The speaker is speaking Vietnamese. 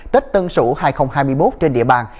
tết tân sửu hai nghìn hai mươi một trên địa bàn